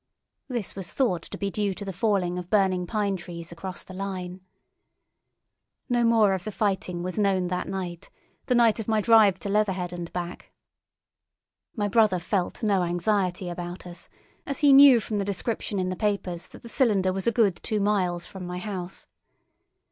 This was thought to be due to the falling of burning pine trees across the line. Nothing more of the fighting was known that night, the night of my drive to Leatherhead and back. My brother felt no anxiety about us, as he knew from the description in the papers that the cylinder was a good two miles from my house.